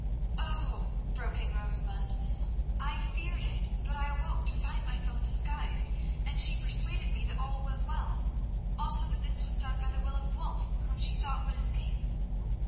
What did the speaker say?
"Oh!" broke in Rosamund. "I feared it, but I awoke to find myself disguised, and she persuaded me that all was well; also that this was done by the will of Wulf, whom she thought would escape."